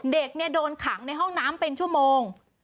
เด็กโดนขังในห้องน้ำเป็นชั่วโมง